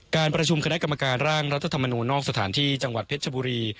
การประชุมคณะกรรมการร่างรัฐธรรมนูลนอกสถานที่จังหวัดเพชรชบุรี